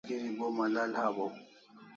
Malgeri bo malal hawaw